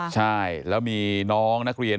เอาไปแล้วมีน้องนักเรียน